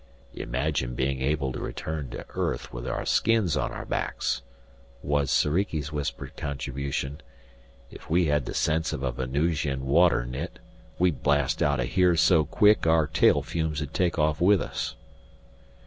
"Imagine being able to return to earth with our skins on our backs," was Soriki's whispered contribution. "If we had the sense of a Venusian water nit, we'd blast out of here so quick our tail fumes'd take off with us!"